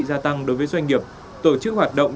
gia tăng đối với doanh nghiệp tổ chức hoạt động